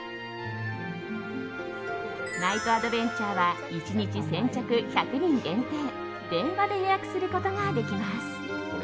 ナイトアドベンチャーは１日先着１００人限定電話で予約することができます。